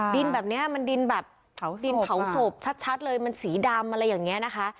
ดินแบบเนี้ยมันดินแบบเดี๋ยวเขาโสบชัดชัดเลยมันสีดำอะไรอย่างเงี้ยนะคะ